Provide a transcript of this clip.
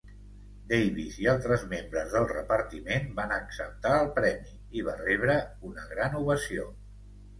Davis i altres membres del repartiment van acceptar el premi i va rebre una gran ovació.